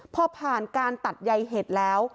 พอผ่านการตัดใยเห็ดแล้ว